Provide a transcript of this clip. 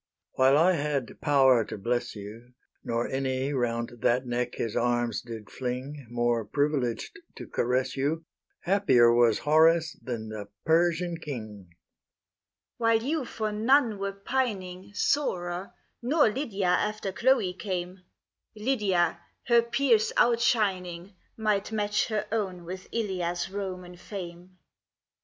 While I had power to bless you, Nor any round that neck his arms did fling More privileged to caress you, Happier was Horace than the Persian king. LYDIA. While you for none were pining Sorer, nor Lydia after Chloe came, Lydia, her peers outshining, Might match her own with Ilia's Roman fame.